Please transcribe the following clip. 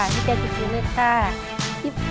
ดีใจสุดสุดเลยค่ะ